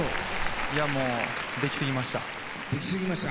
いやもうでき過ぎました。